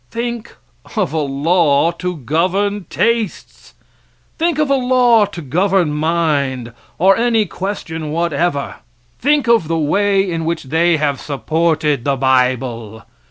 Think of a law to govern tastes! Think of a law to govern mind, or any question whatever! Think of the way in which they have supported the bible!